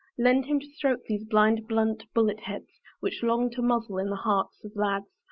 Lend him to stroke these blind, blunt bullet heads Which long to muzzle in the hearts of lads.